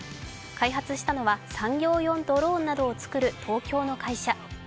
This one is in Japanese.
開発したのは産業用ドローンなどを作る東京の会社。